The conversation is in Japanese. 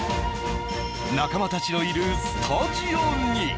仲間たちのいるスタジオに。